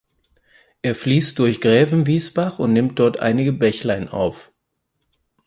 Er fließt durch Grävenwiesbach und nimmt dort einige Bächlein auf.